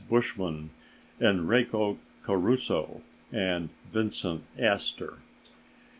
Bushman, Enrico Caruso and Vincent Astor.